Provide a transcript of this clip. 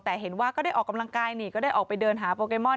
แต่เห็นว่าก็ได้ออกกำลังกายนี่ก็ได้ออกไปเดินหาโปเกมอน